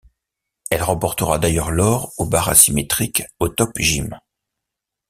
Elle remportera d'ailleurs l'or aux barres asymétriques au Top Gym.